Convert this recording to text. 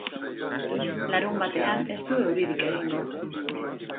Larunbatean ez du euririk egingo.